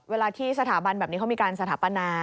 เวลาที่สถาบันแบบนี้เขามีการสถาปนา